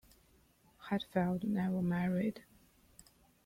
Hatfield never married.